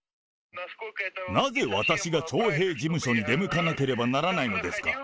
なぜ私が徴兵事務所に出向かなければならないのですか。